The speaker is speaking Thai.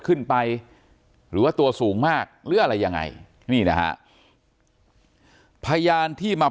ขึ้นไปหรือว่าตัวสูงมากหรืออะไรยังไงนี่นะฮะพยานที่มา